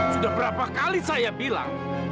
sudah berapa kali saya bilang